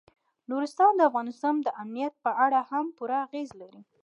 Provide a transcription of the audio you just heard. نورستان د افغانستان د امنیت په اړه هم پوره اغېز لري.